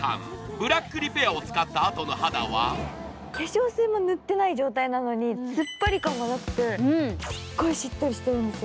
ブラックリペアを使ったあとの肌は化粧水も塗っていない状態なのにつっぱり感がなくてすっごいしっとりしてるんですよ。